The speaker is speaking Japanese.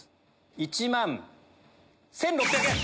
１万１６００円！